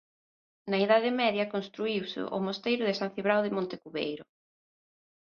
Na idade media construíuse o mosteiro de San Cibrao de Montecubeiro.